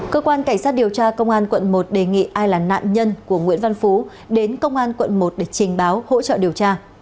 cơ quan cảnh sát điều tra công an quận một đề nghị ai là nạn nhân của nguyễn văn phú đến công an quận một để trình báo hỗ trợ điều tra